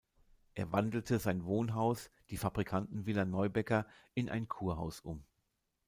Er wandelte sein Wohnhaus, die Fabrikantenvilla Neubecker, in ein Kurhaus um.